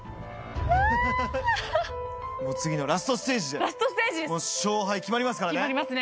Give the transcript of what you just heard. もう次のラストステージで勝敗決まりますからね。